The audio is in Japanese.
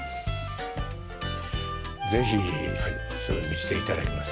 是非それ見せていただきます。